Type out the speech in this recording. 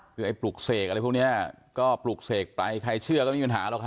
คือไอ้ปลุกเสกอะไรพวกนี้ก็ปลุกเสกไปใครเชื่อก็ไม่มีปัญหาหรอกค่ะ